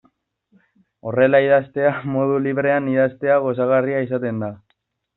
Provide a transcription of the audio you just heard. Horrela idaztea, modu librean idaztea, gozagarria izaten da.